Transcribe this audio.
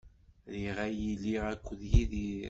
Riɣ ad iliɣ akked Yidir.